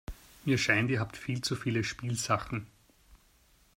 Mir scheint, ihr habt viel zu viele Spielsachen.